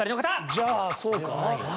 じゃあそうか。